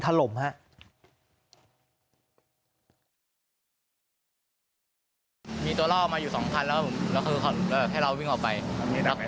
ถล่มครับ